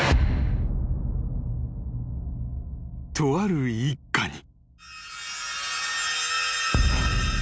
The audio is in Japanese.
［とある一家に］